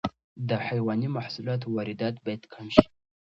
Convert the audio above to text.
د حیواني محصولاتو واردات باید کم شي.